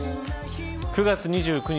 ９月２９日